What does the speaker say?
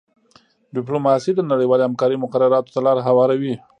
ډیپلوماسي د نړیوالې همکارۍ مقرراتو ته لاره هواروي